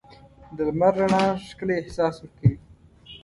د لمر رڼا ښکلی احساس ورکوي.